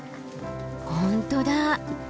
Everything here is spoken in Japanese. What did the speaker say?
本当だ。